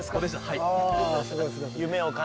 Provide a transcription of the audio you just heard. はい。